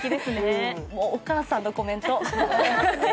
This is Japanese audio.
もうお母さんのコメント。